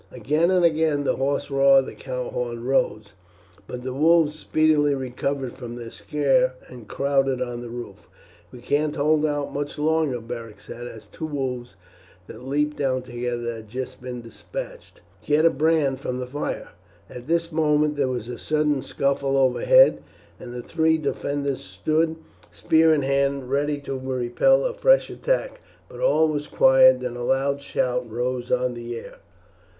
Again and again the hoarse roar of the cow horn rose, but the wolves speedily recovered from their scare and crowded on the roof. "We can't hold out much longer," Beric said, as two wolves that leapt down together had just been despatched. "Get a brand from the fire." At this moment there was a sudden scuffle overhead, and the three defenders stood, spear in hand, ready to repel a fresh attack; but all was quiet; then a loud shout rose on the air.